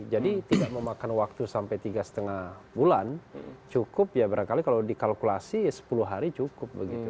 jadi tidak memakan waktu sampai tiga lima bulan cukup ya barangkali kalau dikalkulasi sepuluh hari cukup begitu